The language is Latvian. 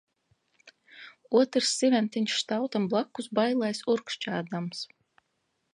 Otrs siventiņš stāv tam blakus bailēs urkšķēdams.